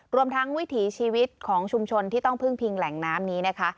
รวมทั้งวิถีชีวิตของชุมชนที่ต้องพึ่งพิงแหล่งน้ำนี้นะคะ